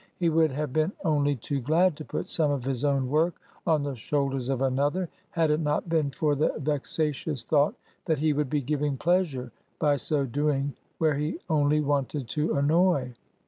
He would have been only too glad to put some of his own work on the shoulders of another, had it not been for the vexatious thought that he would be giving pleasure by so doing where he only wanted to annoy.